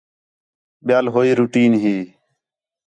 ٻِیال ہوئی روٹین ہی